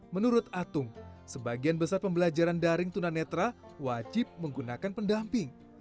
menurut atung sebagian besar pembelajaran daring tunanetra wajib menggunakan pendamping